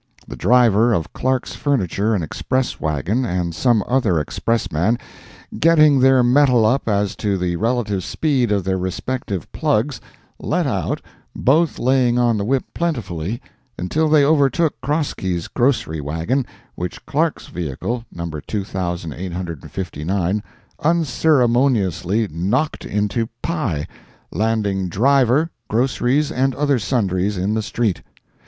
The driver of Clark's furniture and Express wagon and some other Expressman, getting their mettle up as to the relative speed of their respective plugs, let out, both laying on the whip plentifully, until they overtook Crosky's grocery wagon, which Clark's vehicle (No. 2,859) unceremoniously knocked into "pi," landing driver, groceries and other Sundries in the street.